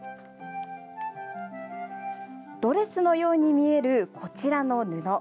ドレスのように見えるこちらの布。